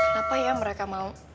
ada loh kenapa ya mereka mau